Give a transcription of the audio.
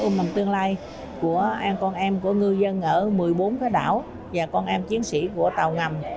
của mình tương lai của con em của ngư dân ở một mươi bốn cái đảo và con em chiến sĩ của tàu ngầm